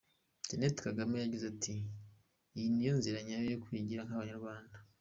Jeannette Kagame yagize ati “Iyi niyo nzira nyayo y’ukwigira kw’Abanyarwanda.